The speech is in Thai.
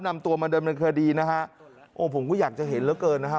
นำตัวมาโดยมันคดีนะฮะผมก็อยากจะเห็นแล้วเกินนะฮะ